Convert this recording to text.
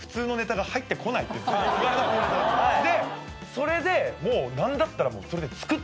それでもう何だったら。